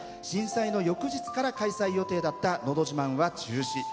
震災の翌日から開催予定だった「のど自慢」は中止。